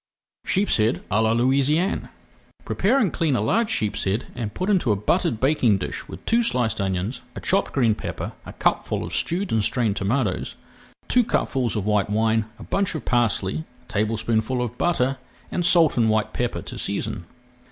SHEEPSHEAD À LA LOUISIANNE Prepare and clean a large sheepshead and put into a buttered baking dish with two sliced onions, a chopped green pepper, a cupful of stewed and [Page 360] strained tomatoes, two cupfuls of white wine, a bunch of parsley, a tablespoonful of butter, and salt and white pepper to season.